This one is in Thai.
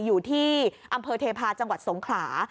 อยู่ที่อำเภอเทพาะจังหวัดสงขลา